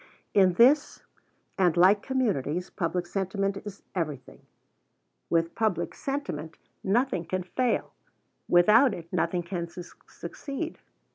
In this and like communities, public sentiment is everything. With public sentiment, nothing can fail: without it, nothing can succeed.